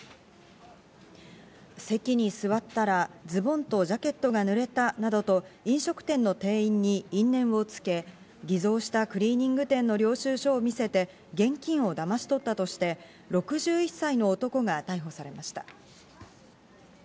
席に座ったらズボンとジャケットが濡れたなどと飲食店の店員に因縁をつけ、偽造したクリーニング店の領収書を見せて現金をだまし取ったとして、６１歳の男が逮捕されました。